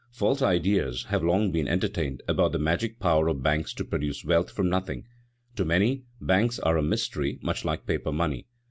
_ False ideas have long been entertained about the magic power of banks to produce wealth from nothing. To many, banks are a mystery much like paper money.